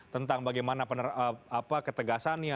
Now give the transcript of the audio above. tentang bagaimana ketegasannya